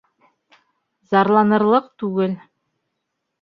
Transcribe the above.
Зарланырлыҡ түгел